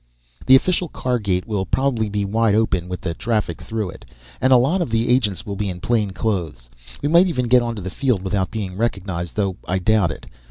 "The official car gate will probably be wide open with the traffic through it. And a lot of the agents will be in plain clothes. We might even get onto the field without being recognized, though I doubt it.